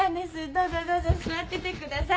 どうぞどうぞ座っててください。